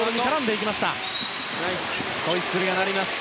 ホイッスルが鳴ります。